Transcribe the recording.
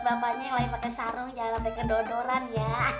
soalnya yang lain pakai sarung jangan sampai kendoran ya